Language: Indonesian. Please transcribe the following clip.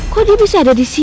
kok dia bisa ada disini sih